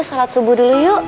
salat subuh dulu yuk